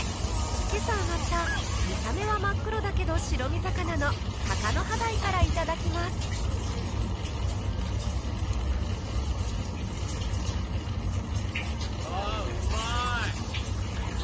今朝揚がった見た目は真っ黒だけど白身魚のタカノハダイからいただきますああ。